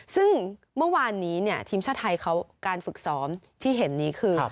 ซึ่งเมื่อวานนี้ทีมชาติไทยเขาการฝึกซ้อมที่เห็นนี้คือ